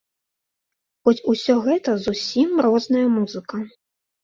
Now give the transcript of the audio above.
Хоць усё гэта зусім розная музыка!